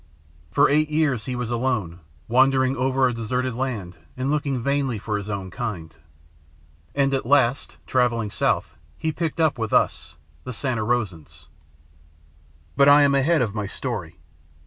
For eight years he was alone, wandering over a deserted land and looking vainly for his own kind. And at last, travelling south, he picked up with us, the Santa Rosans. "But I am ahead of my story.